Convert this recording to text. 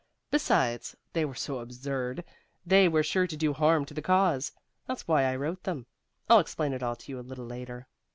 Besides, they were so absurd they were sure to do harm to the cause. That's why I wrote them. I'll explain it all to you a little later."